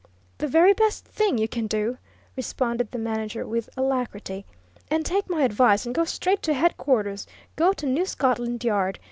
"The very best thing you can do!" responded the manager with alacrity. "And take my advice and go straight to headquarters go to New Scotland Yard.